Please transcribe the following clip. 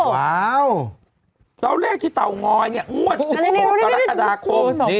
ว้าวแล้วเลขที่เตางอยเนี่ยงวดสิบโตประธานาคมนี่